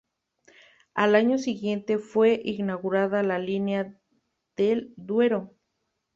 Al año siguiente, fue inaugurada la Línea del Duero.